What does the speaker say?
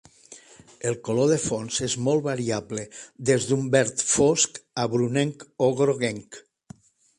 El color de fons és molt variable: des d'un verd fosc a brunenc o groguenc.